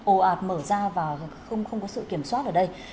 ồ ạt mở ra và không có sự kiểm soát ở đây